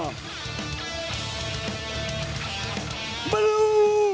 สิ่งสิทธิ์เจ๊ปริมเอาชนะชัดเปลี่ยนของเราครับ